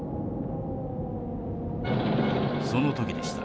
「その時でした。